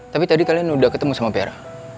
tapi tadi kalian sudah ketemu sama vera